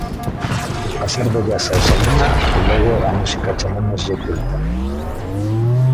Pasar do jazz ao cinema e logo á música chamémoslle culta.